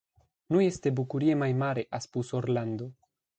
Nu este bucurie mai mare a spus Orlando.